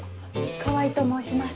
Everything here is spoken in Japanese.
川合と申します。